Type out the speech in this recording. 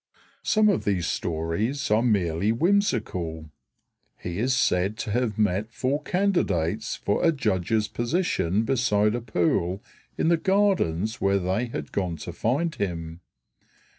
Some of these stories are merely whimsical. He is said to have met four candidates for a judge's position beside a pool in the gardens where they had gone to find him.